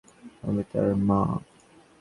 আমি তার মা।